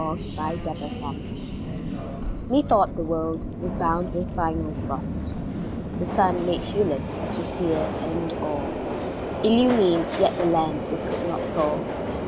WHITE DEATH Methought the world was bound with final frost; The sun, made hueless as with fear and awe, Illumined yet the lands it could not thaw.